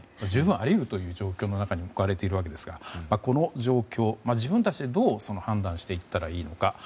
十分にあり得る状況の中に置かれているのですがこの状況、自分たちでどう判断していったらいいのか。